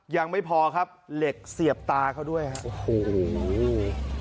ยังไม่พอครับเหล็กเสียบตาเขาด้วยฮะโอ้โห